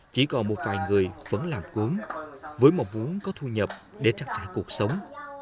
chỉ còn một vài người vẫn làm gốm với mong muốn có thu nhập để trang trả cuộc sống